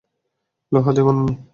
লোহা দিয়ে বানানো?